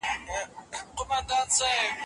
صنعت د لویدیځوالو له خوا رامنځته سو.